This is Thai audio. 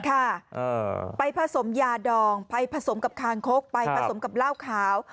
ก็ค่ะไปผสมยาดองไปผสมกับคารโค้กผสมกับล่าวขาว